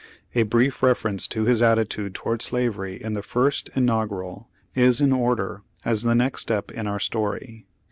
A brief reference to his attitude toward slavery in the First Inaugural is in order as the next step in our story.